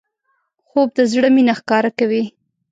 خوب د زړه مینه ښکاره کوي